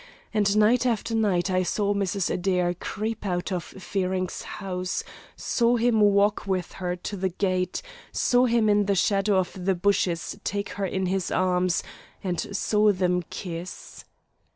And night after night I saw Mrs. Adair creep out of Fearing's house, saw him walk with her to the gate, saw him in the shadow of the bushes take her in his arms, and saw them kiss."